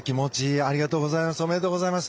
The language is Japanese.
おめでとうございます。